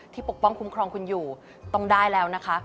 ที่ปลักษณ์คุ้มครองคุณอยู่ต้องได้แล้วนะคะ